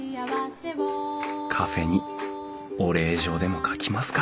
カフェにお礼状でも書きますか！